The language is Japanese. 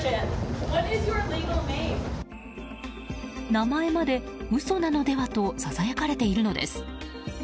名前まで嘘なのでは？とささやかれているのです。